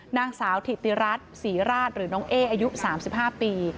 นางสาวถิติรัฐศรีราชหรือน้องเอ๊อายุ๓๕ปี